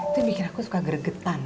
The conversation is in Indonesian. itu yang bikin aku suka geregetan